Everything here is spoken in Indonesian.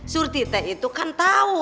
surti teh itu kan tau